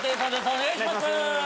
お願いします。